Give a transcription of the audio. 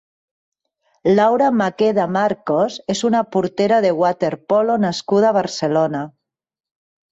Laura Maqueda Marcos és una portera de waterpolo nascuda a Barcelona.